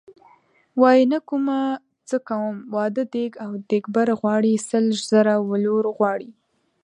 وايي نه کومه څه کوم واده دیګ او دیګبر غواړي سل زره ولور غواړي .